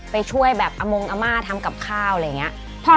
ไปช่วยแบบอมงอาม่าทำกับข้าวอะไรอย่างนี้